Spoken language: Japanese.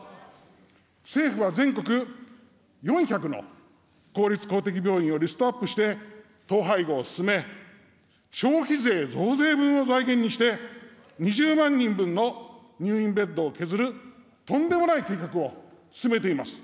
政府は全国４００の公立、公的病院をリストアップして統廃合を進め、消費税増税分を財源にして、２０万人分の入院ベッドを削る、とんでもない計画を進めています。